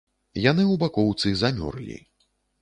Яны ў бакоўцы замёрлі.